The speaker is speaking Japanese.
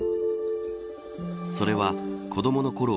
それは子どものころ